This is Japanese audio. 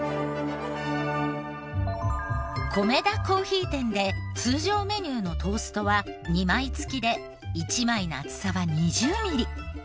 コメダ珈琲店で通常メニューのトーストは２枚付きで１枚の厚さは２０ミリ。